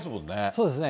そうですね。